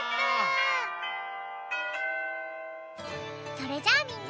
それじゃあみんな！